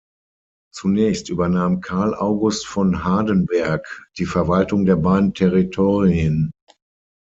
Zunächst übernahm Karl August von Hardenberg die Verwaltung der beiden Territorien.